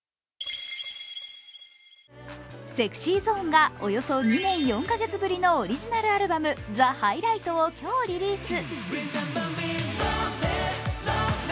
ＳｅｘｙＺｏｎｅがおよそ２年４カ月ぶりのオリジナルアルバム「ザ・ハイライト」を今日リリース。